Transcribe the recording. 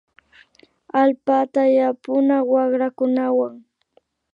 Allpata yapuna wakrakunawan